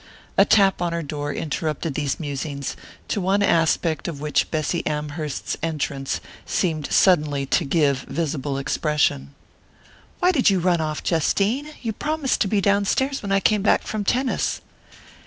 A tap on her door interrupted these musings, to one aspect of which Bessy Amherst's entrance seemed suddenly to give visible expression. "Why did you run off, Justine? You promised to be down stairs when I came back from tennis."